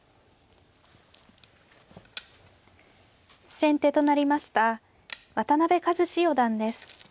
先手となりました渡辺和史四段です。